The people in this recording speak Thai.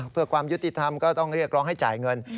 เพื่อความยุติธรรมก็ต้องเรียกร้องให้จ่ายเงิน